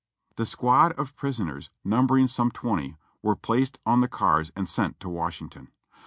The squad of prisoners, numbering some twenty, were placed on the cars and sent to Washington.